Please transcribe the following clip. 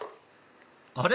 あれ⁉